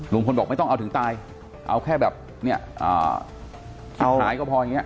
ลุงพลบอกไม่ต้องเอาถึงตายเอาแค่แบบเนี่ยหายก็พออย่างนี้